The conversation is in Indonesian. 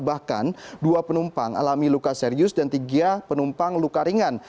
bahkan dua penumpang alami luka serius dan tiga penumpang luka ringan